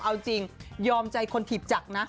เอาจริงยอมใจคนถีบจักรนะ